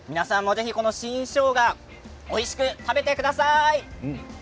ぜひ新しょうがおいしく食べてください。